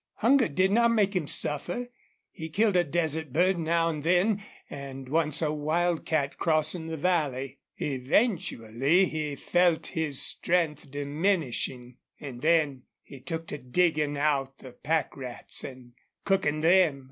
Hunger did not make him suffer. He killed a desert bird now and then, and once a wildcat crossing the valley. Eventually he felt his strength diminishing, and then he took to digging out the pack rats and cooking them.